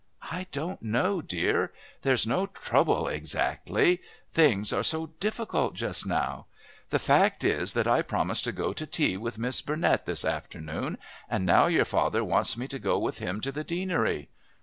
"I don't know, dear. There's no trouble exactly. Things are so difficult just now. The fact is that I promised to go to tea with Miss Burnett this afternoon and now your father wants me to go with him to the Deanery.